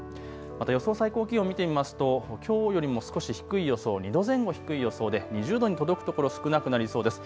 また予想最高気温、見てみますときょうよりも少し低い予想、２度前後低い予想で２０度に届く所少なくなりそうです。